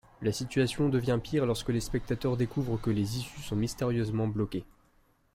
La situation devient pire lorsque les spectateurs découvrent que les issues sont mystérieusement bloquées.